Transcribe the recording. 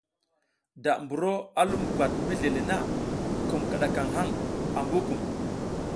Da buro a lum gwat mesle le na, kum kiɗakaŋ haŋ ambu kum.